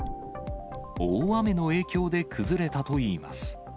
大雨の影響で崩れたといいます。